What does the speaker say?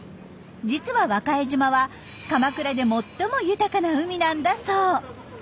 実は和賀江島は鎌倉で最も豊かな海なんだそう。